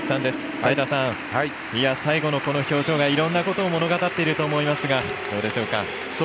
齋田さん、最後の表情がいろんなことを物語っていると思いますが、どうでしょうか？